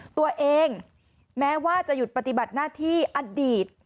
ตัวเองแม้ว่าจะหยุดปฏิบัติหน้าที่อดีต